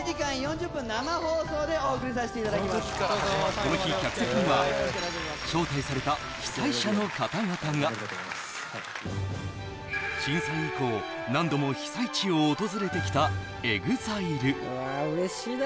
この日客席には招待された被災者の方々が震災以降何度も被災地を訪れてきたＥＸＩＬＥ